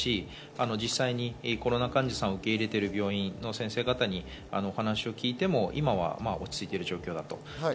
実際にコロナ患者さんを受け入れている病院の先生方に話を聞いても今は落ち着いている状況だと。